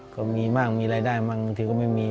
ก็มีบ้างมีรายได้บางทีก็ไม่มี